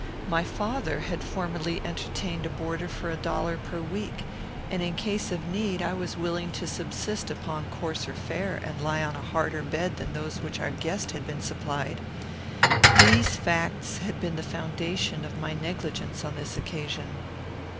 My father had formerly entertained a boarder for a dollar per week, and, in case of need, I was willing to subsist upon coarser fare and lie on a harder bed than those with which our guest had been supplied. These facts had been the foundation of my negligence on this occasion.